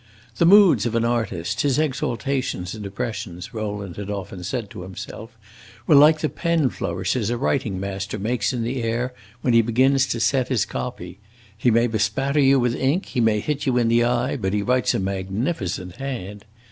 The moods of an artist, his exaltations and depressions, Rowland had often said to himself, were like the pen flourishes a writing master makes in the air when he begins to set his copy. He may bespatter you with ink, he may hit you in the eye, but he writes a magnificent hand.